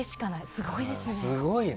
すごいですね。